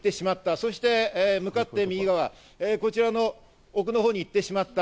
そして向かって右側、こちらの奥のほうに行ってしまった。